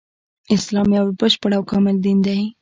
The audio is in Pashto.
اسلام يو بشپړ او کامل دين دی